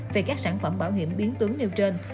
về các sản phẩm bảo hiểm biến tướng nêu trên